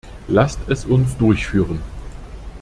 Lasst es uns durchführen!